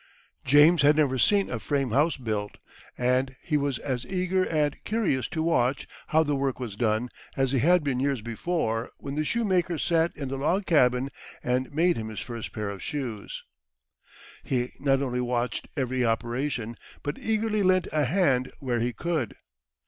James had never seen a frame house built, and he was as eager and curious to watch how the work was done as he had been years before, when the shoemaker sat in the log cabin and made him his first pair of shoes. [Illustration: The carpenter set about his task.] He not only watched every operation, but eagerly lent a hand where he could.